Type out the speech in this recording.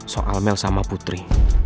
soal mel sama putri